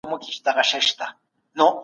قريـشي له كـندهـاره دى لــــــوېــــدلـــــى